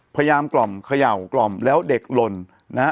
พยายามกล่อมเขย่ากล่อมแล้วเด็กลนนะ